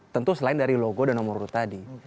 tentu selain dari logo dan nomor urut tadi